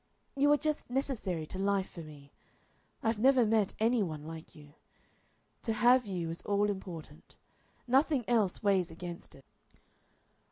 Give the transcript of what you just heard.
You are just necessary to life for me. I've never met any one like you. To have you is all important. Nothing else weighs against it.